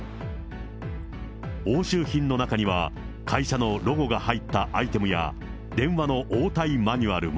押収品の中には、会社のロゴが入ったアイテムや、電話の応対マニュアルも。